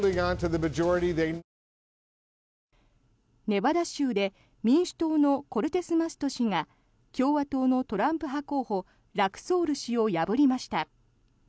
ネバダ州で民主党のコルテスマスト氏が共和党のトランプ派候補ラクソール氏を破りました。